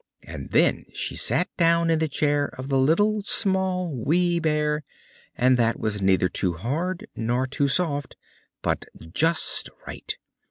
And then she sat down in the chair of the Little, Small, Wee Bear, and that was neither too hard nor too soft, but just right.